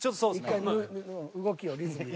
１回動きをリズムで。